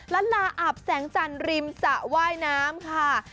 แล้วลาอับแสงจันทร์ริมสะไหว้น้ำค่ะ